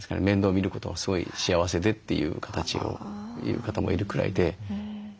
見ることはすごい幸せでという形をいう方もいるくらいで。